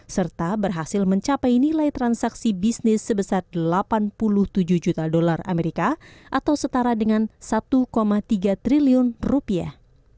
serta berhasil mencapai nilai transaksi bisnis sebesar delapan puluh tujuh juta dolar amerika atau setara dengan satu tiga triliun rupiah